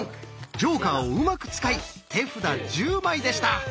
ジョーカーをうまく使い手札１０枚でした。